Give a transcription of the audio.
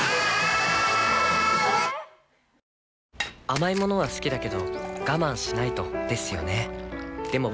甘い物は好きだけど我慢しないとですよね